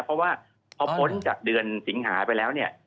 เพราะว่าถ้าป้นจากเยื่อนศีษฐาไปแล้ว